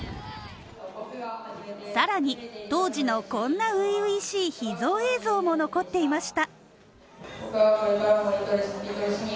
さらに当時のこんな初々しい秘蔵映像も残っていました。